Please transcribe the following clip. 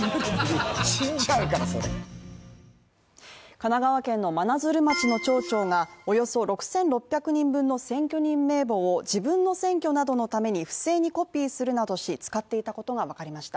神奈川県真鶴町の町長がおよそ６６００人分の選挙人名簿を自分の選挙などのために不正にコピーするなどし、使っていたことが分かりました。